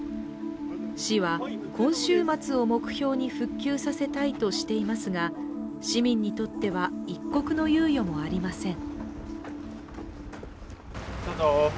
市は、今週末を目標に復旧させたいとしていますが、市民にとっては一刻の猶予もありません。